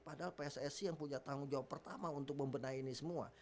padahal pssi yang punya tanggung jawab pertama untuk membenahi ini semua